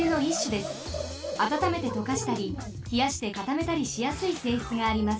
あたためてとかしたりひやしてかためたりしやすいせいしつがあります。